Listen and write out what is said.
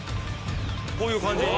こういう感じに。